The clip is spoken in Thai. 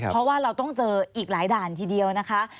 เพราะว่าเราต้องเจออีกหลายด่านทีเดียวนะคะ